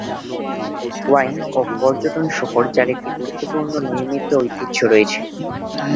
Wine ও পর্যটন শহর, যার একটি গুরুত্বপূর্ণ নির্মিত ঐতিহ্য রয়েছে।